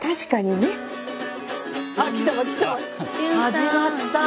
始まった。